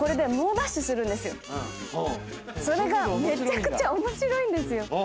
それがめちゃくちゃ面白いんですよ。